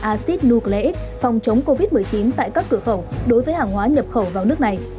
acid nucleic phòng chống covid một mươi chín tại các cửa khẩu đối với hàng hóa nhập khẩu vào nước này